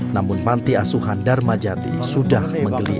namun manti asuhan dharmajati sudah menggeliat